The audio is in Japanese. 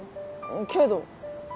けど？